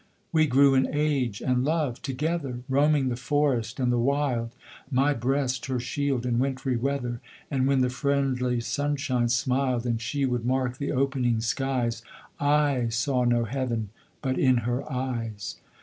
We grew in age and love together, Roaming the forest, and the wild; My breast her shield in wintry weather And, when the friendly sunshine smil'd And she would mark the opening skies, I saw no Heaven but in her eyes.